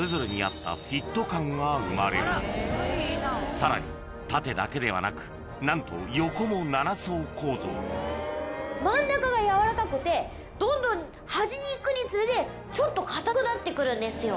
さらに縦だけではなくなんと真ん中がやわらかくて端にいくにつれてちょっと硬くなってくるんですよ。